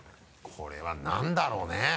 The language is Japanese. これは何だろうね？